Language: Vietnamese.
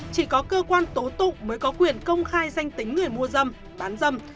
chỉ có cơ quan tố tụng mới có quyền công khai danh tính người mua dâm bán dâm